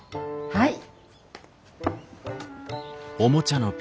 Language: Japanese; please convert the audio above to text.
はい。